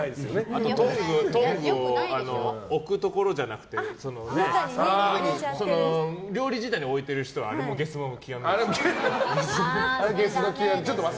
あと、トングを置くところじゃなくて料理自体に置いている人あれもゲスの極みですよね。